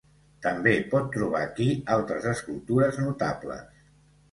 També pot trobar aquí altres escultures notables.